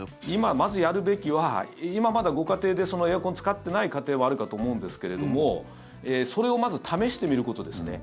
まずやるべきは今、まだご家庭でエアコンを使ってない家庭もあるかと思うんですけれどもそれをまず試してみることですね。